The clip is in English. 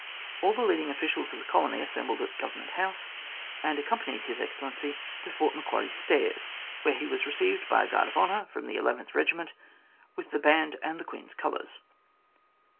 All the leading officials of the colony assembled at Government House and accompanied His Excellency to Fort Macquarie Stairs, where he was received by a Guard of Honour from the llth Eegiment with the band and the "Queen's colours.